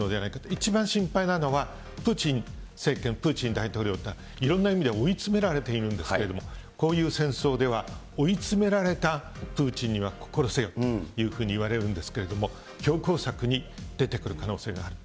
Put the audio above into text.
一番心配なのは、プーチン政権、プーチン大統領っていうのは、いろんな意味で追い詰められているんですけれども、こういう戦争では追い詰められたプーチンには心せよというふうにいわれるんですけれども、強硬策に出てくる可能性がある。